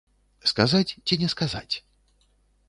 Сказаць ці не сказаць?